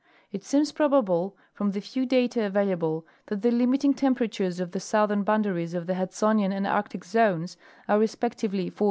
It seems probable, from the few data available, that the limiting temperatures of the southern boundaries of the Hudsonian and Arctic zones are respectively 14° C.